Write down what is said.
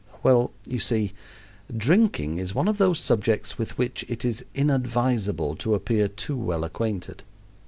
Well, you see, drinking is one of those subjects with which it is inadvisable to appear too well acquainted.